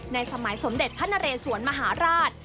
สมัยสมเด็จพระนเรสวนมหาราช